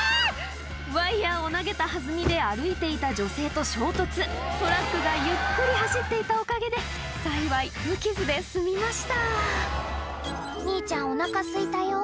ワイヤを投げた弾みで歩いていた女性と衝突トラックがゆっくり走っていたおかげで幸い無傷で済みました「兄ちゃんおなかすいたよ」